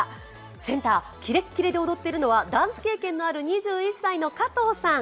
センター、キレッキレで踊っているのはダンス経験のある２１歳の加藤さん。